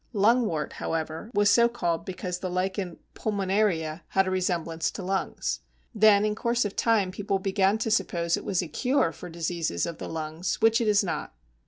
Lungwort, however, was so called because the lichen Pulmonaria has a resemblance to lungs. Then in course of time people began to suppose it was a cure for diseases of the lungs, which it is not.